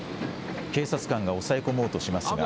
警察官が押さえ込もうとしますが。